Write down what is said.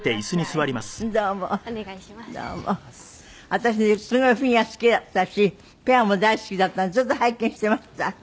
私すごいフィギュア好きだったしペアも大好きだったのでずっと拝見していました。